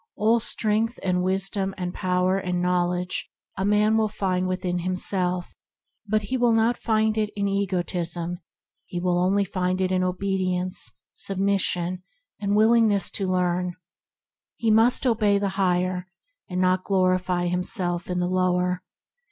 All strength and wisdom and power and knowledge a man will find within himself, but he will not find it in egotism; he will find it only in obedience, submission, and willingness to learn. He must obey the Higher, and not glorify himself in the lower.